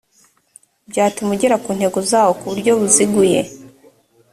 byatuma ugera ku ntego zawo kuburyo buziguye